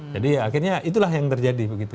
jadi akhirnya itulah yang terjadi begitu